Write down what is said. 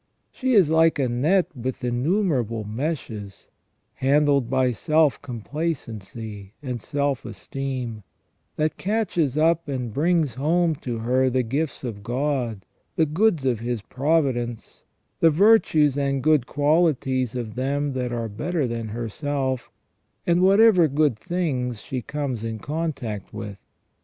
She is like a net with innumerable meshes, handled by self complacency and self esteem, that catches up and brings home to her the gifts of God, the goods of His providence, the virtues and good qualities of them that are better than herself, and whatever good things she comes in contact with.